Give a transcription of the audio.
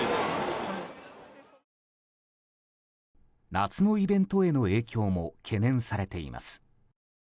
夏のイベントへの影響も懸念されています。